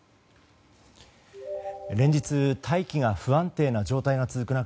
連日、大気が不安定な状態が続く中